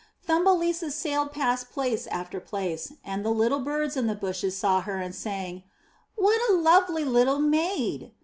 Thumbelisa sailed past place after place, and the little birds in the bushes saw her and sang, *'What a lovely little maid!''